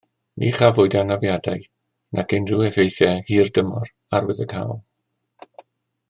Ni chafwyd anafiadau nac unrhyw effeithiau hirdymor arwyddocaol